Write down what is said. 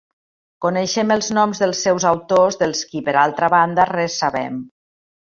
Coneixem els noms dels seus autors dels qui, per altra banda, res sabem.